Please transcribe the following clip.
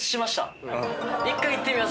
１回行ってみます